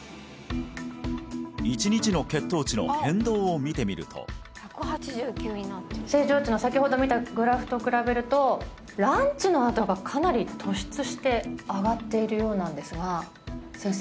１日の血糖値の変動を見てみると正常値の先ほど見たグラフと比べるとランチのあとがかなり突出して上がっているようなんですが先生